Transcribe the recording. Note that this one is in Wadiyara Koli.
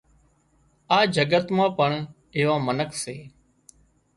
آ جڳت مان پڻ ايوان منک سي